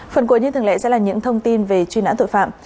phần cuối như thường lệ sẽ là những thông tin về truy nãn tội phạm